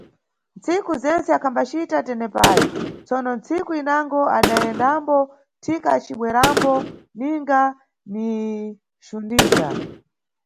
Ntsiku zentse akhambacita tenepayu, tsono ntsiku inango adayendambo thika acibwerambo ninga ni Xundiza.